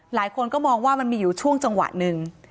หลายคนก็มองว่ามันมีอยู่ช่วงจังหวะหนึ่ง